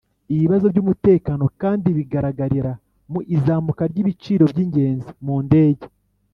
ibibazo by'umutekano kandi bigaragarira mu izamuka ry'ibiciro by'ingendo mu ndege,